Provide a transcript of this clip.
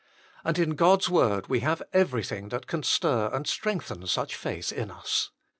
And in God s word we have everything that can stir and strengthen such faith in us.